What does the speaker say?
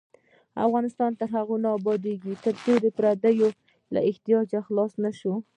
افغانستان تر هغو نه ابادیږي، ترڅو د پردیو له احتیاجه خلاص نشو.